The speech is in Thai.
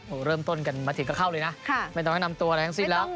โอ้โหเริ่มต้นกันมาถึงก็เข้าเลยนะไม่ต้องแนะนำตัวอะไรทั้งสิ้นแล้ว